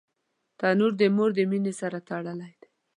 تنور د مور د مینې سره تړلی دی